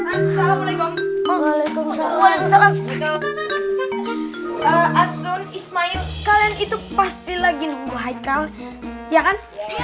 assalamualaikum assalamualaikum asun ismail kalian itu pasti lagi nunggu haikal ya kan